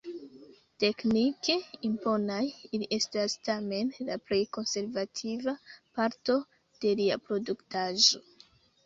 Teknike imponaj, ili estas tamen la plej konservativa parto de lia produktaĵo.